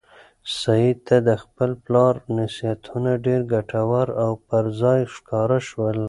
سعید ته د خپل پلار نصیحتونه ډېر ګټور او پر ځای ښکاره شول.